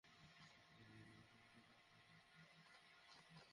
শিরোপা জয়ের খুব কাছাকাছি গিয়েও শেষ পর্যন্ত আক্ষেপ নিয়েই ফিরতে হয়েছে লিওনেল মেসিকে।